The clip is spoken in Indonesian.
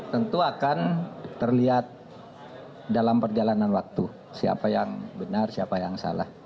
tentu akan terlihat dalam perjalanan waktu siapa yang benar siapa yang salah